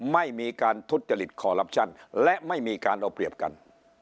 ไม่มีการทุจริตคอลลับชั่นและไม่มีการเอาเปรียบกัน